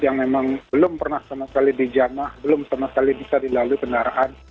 yang memang belum pernah sama sekali dijamah belum sama sekali bisa dilalui kendaraan